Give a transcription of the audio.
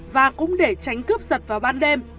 và cũng để tránh cướp giật vào ban đêm